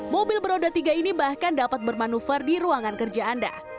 mobil beroda tiga ini bahkan dapat bermanuver di ruangan kerja anda